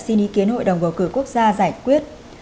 xin ý kiến hội đồng bầu cử quốc gia giải quyết